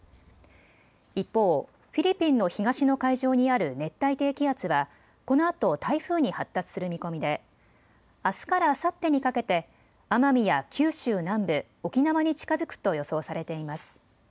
一方、フィリピンの東の海上にある熱帯低気圧はこのあと台風に発達する見込みであすからあさってにかけて奄美や九州南部、沖縄に近づくと予想されています。